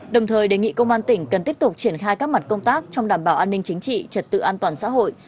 đồng thời đề nghị công an tỉnh cần tiếp tục triển khai các mặt công tác trong đảm bảo an ninh chính trị trật tự an toàn xã hội